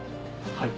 はい。